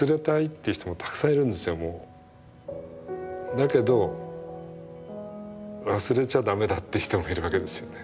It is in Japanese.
だけど忘れちゃ駄目だって人もいるわけですよね。